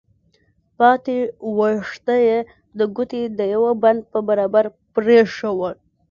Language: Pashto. پاتې ويښته يې د ګوتې د يوه بند په برابر پرېښوول.